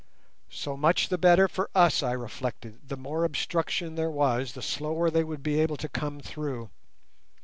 So much the better for us, I reflected; the more obstruction there was the slower would they be able to come through.